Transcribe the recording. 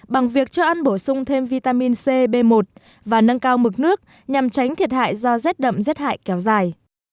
bằng việc cho ăn bổ sung thêm vitamin c b một và nâng cao mực nước nhằm tránh thiệt hại do rét đậm rét hại kéo dài